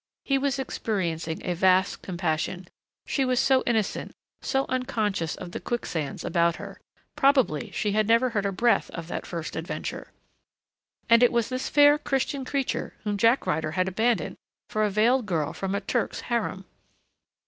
He was experiencing a vast compassion. She was so innocent, so unconscious of the quicksands about her.... Probably she had never heard a breath of that first adventure. And it was this fair Christian creature whom Jack Ryder had abandoned for a veiled girl from a Turk's harem!